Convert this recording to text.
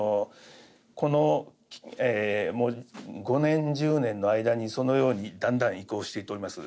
この５年１０年の間にそのようにだんだん移行していっております。